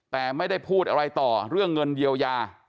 แต่ไม่ได้พูดอะไรต่อเรื่องเงินเยียวยา